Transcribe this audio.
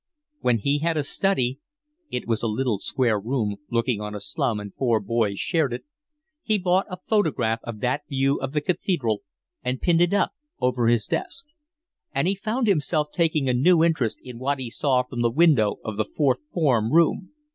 When he had a study (it was a little square room looking on a slum, and four boys shared it), he bought a photograph of that view of the Cathedral, and pinned it up over his desk. And he found himself taking a new interest in what he saw from the window of the Fourth Form room.